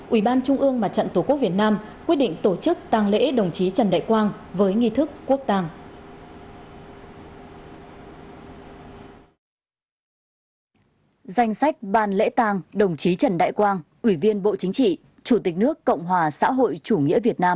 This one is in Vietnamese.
ủy ban trung ương mặt trận tổ quốc việt nam quyết định tổ chức tăng lễ đồng chí trần đại quang với nghi thức quốc tàng